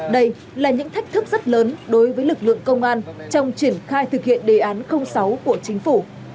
đây là những thách thức rất lớn đối với lực lượng công an trong triển khai thực hiện đề án sáu của chính phủ